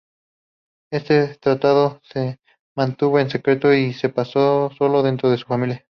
Este tratado se mantuvo en secreto y se pasó solo dentro de su familia.